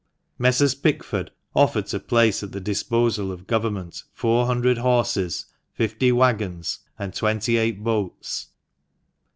Messrs. Pickford offered to place at the disposal of Government four hundred horses, fifty waggons, and twenty eight boats.